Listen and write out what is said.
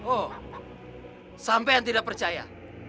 oh sampai yang tidak percaya